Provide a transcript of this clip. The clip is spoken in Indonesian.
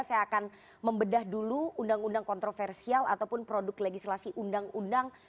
saya akan membedah dulu undang undang kontroversial ataupun produk legislasi undang undang